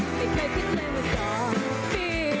ไม่เคยคิดเลยเมื่อสองปี